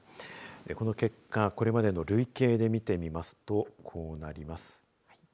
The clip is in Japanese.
この結果、これまでの累計で見てみますとこうなります。